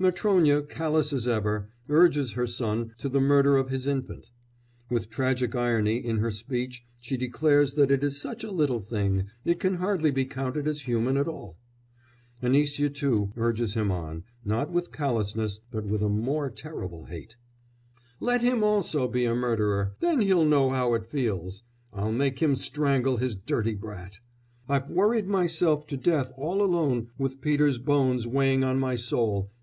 Matrónya, callous as ever, urges her son to the murder of his infant; with tragic irony in her speech she declares that it is such a little thing, it can hardly be counted as human at all. Anisya too urges him on, not with callousness but with a more terrible hate. "Let him also be a murderer! Then he'll know how it feels.... I'll make him strangle his dirty brat! I've worried myself to death all alone with Peter's bones weighing on my soul.